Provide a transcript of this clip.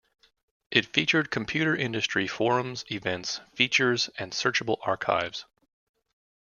It featured computer industry forums, events, features and searchable archives.